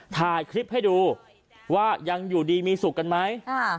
ถ่ายคลิปให้ดูว่ายังอยู่ดีมีสุขกันไหม